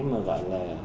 mà gọi là